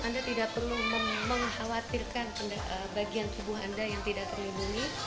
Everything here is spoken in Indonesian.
anda tidak perlu mengkhawatirkan bagian tubuh anda yang tidak terlindungi